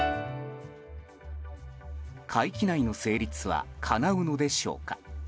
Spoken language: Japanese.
会期内の成立はかなうのでしょうか？